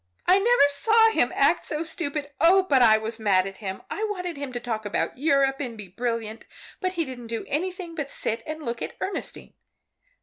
"I never saw him act so stupid! Oh, but I was mad at him! I wanted him to talk about Europe and be brilliant, but he didn't do anything but sit and look at Ernestine.